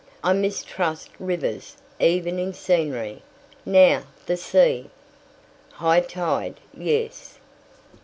I mistrust rivers, even in scenery. Now, the sea " "High tide, yes."